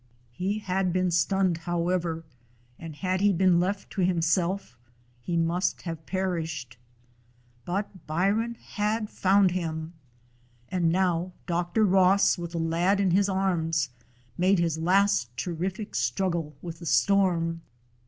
He had been stunned, however, and had he been left to himself he must have per ished. But Byron had found him. And now Dr. Ross, with the lad in his arms, made his last terrific struggle with the storm.